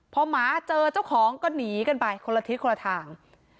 พอหมาเจอเจ้าของก็หนีกันไปคนละทิศคนละทาง